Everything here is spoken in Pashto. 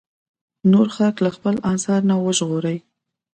نور خلک له خپل ازار نه وژغوري.